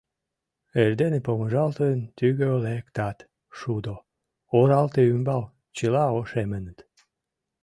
Эрдене помыжалтын, тӱгӧ лектат, шудо, оралте ӱмбал — чыла ошемыныт.